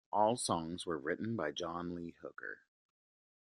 All songs written by John Lee Hooker.